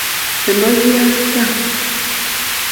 Emboozi ya kitange.